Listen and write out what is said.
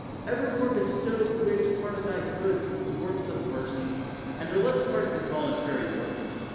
Evermore bestow the greatest part of thy goods in works of mercy, and the less parts in volun tary works.